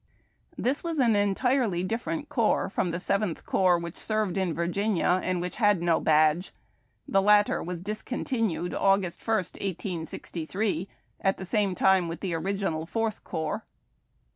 This was an entirely different corps from the Seventh Corps, whicli served in Virginia, and which had no badge. The latter was discontinued Aug. 1, 186 3, at the same time with the original Fourth Corps.